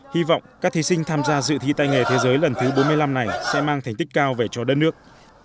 hy vọng các thí sinh tham gia dự thi tay nghề thế giới lần thứ bốn mươi năm này sẽ mang thành tích cao về cho đất nước